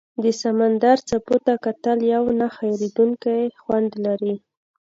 د سمندر څپو ته کتل یو نه هېریدونکی خوند لري.